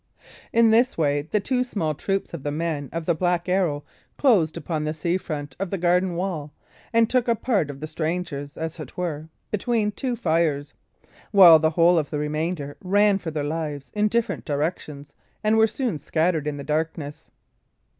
In this way the two small troops of the men of the Black Arrow closed upon the sea front of the garden wall, and took a part of the strangers, as it were, between two fires; while the whole of the remainder ran for their lives in different directions, and were soon scattered in the darkness.